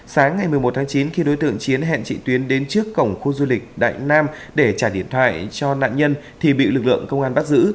sáng ngày một mươi một tháng chín khi đối tượng chiến hẹn chị tuyến đến trước cổng khu du lịch đại nam để trả điện thoại cho nạn nhân thì bị lực lượng công an bắt giữ